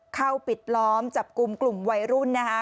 เข้าปิดล้อมจับกลุ่มกลุ่มวัยรุ่นนะคะ